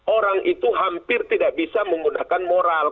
orang itu hampir tidak bisa menggunakan moral